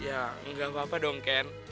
ya nggak apa apa dong ken